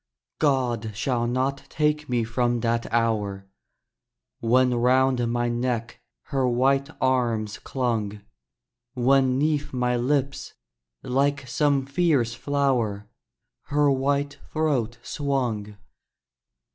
God shall not take from me that hour, When round my neck her white arms clung! When 'neath my lips, like some fierce flower, Her white throat swung!